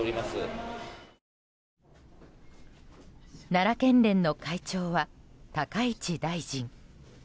奈良県連の会長は高市大臣。